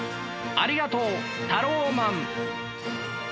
ありがとうタローマン！